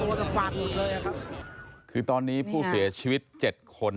กับปากหมดเลยอะครับคือตอนนี้ผู้เสียชีวิตเจ็ดคน